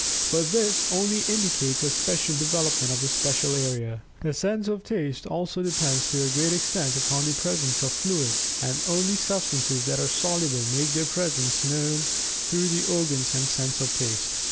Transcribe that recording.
But this only indicates a special development of the special area. The sense of Taste also depends to a great extent upon the presence of fluids, and only substances that are soluble make their presence known through the organs and sense of Taste.